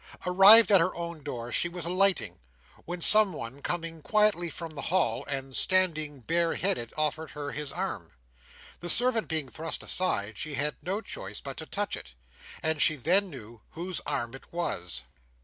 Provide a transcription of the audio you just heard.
Arrived at her own door, she was alighting, when some one coming quietly from the hall, and standing bareheaded, offered her his arm. The servant being thrust aside, she had no choice but to touch it; and she then knew whose arm it was.